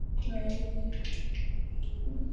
至五代时迁居蒙城。